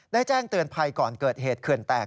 แจ้งเตือนภัยก่อนเกิดเหตุเขื่อนแตก